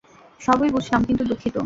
সবই বুঝলাম কিন্তু দুঃখিত!